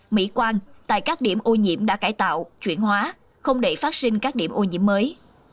mỹ quan tại các điểm ô nhiễm đã cải tạo chuyển hóa không để phát sinh các điểm ô nhiễm mới